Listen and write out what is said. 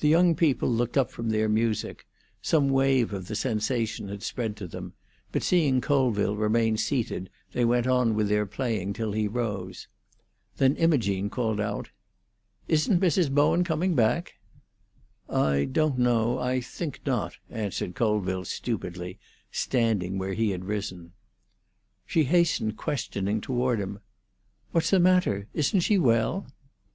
The young people looked up from their music; some wave of the sensation had spread to them, but seeing Colville remain seated, they went on with their playing till he rose. Then Imogene called out, "Isn't Mrs. Bowen coming back?" "I don't know; I think not," answered Colville stupidly, standing where he had risen. She hastened questioning toward him. "What is the matter? Isn't she well?"